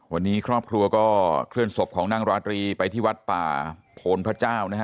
วันนี้ครอบครัวก็เคลื่อนศพของนางราตรีไปที่วัดป่าโพนพระเจ้านะฮะ